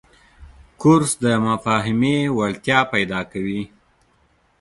کورس د مفاهمې وړتیا پیدا کوي.